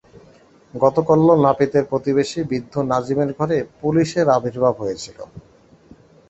গতকল্য নাপিতের প্রতিবেশী বৃদ্ধ নাজিমের ঘরে পুলিসের আবির্ভাব হইয়াছিল।